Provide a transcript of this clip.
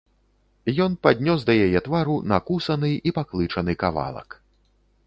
Ён паднёс да яе твару накусаны і паклычаны кавалак.